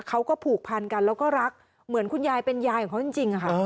เขาก็ผูกพันกันแล้วก็รักเหมือนคุณยายเป็นยายของเขาจริงค่ะ